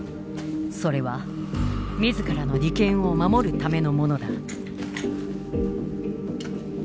それは自らの利権を守るためのものだ。